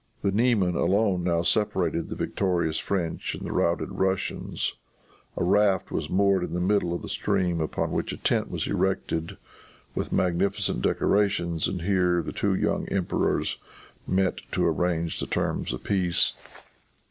The Niemen alone now separated the victorious French and the routed Russians. A raft was moored in the middle of the stream upon which a tent was erected with magnificent decorations, and here the two young emperors met to arrange the terms of peace.